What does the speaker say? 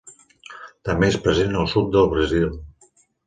També és present al sud del Brasil.